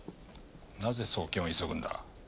なぜ送検を急ぐんだ？